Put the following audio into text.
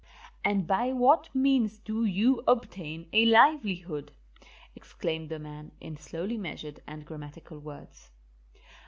"And by what means do you obtain a livelihood?" exclaimed the man, in slowly measured and grammatical words.